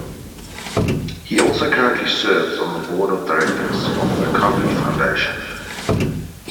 He also currently serves on the board of directors of The Kavli Foundation.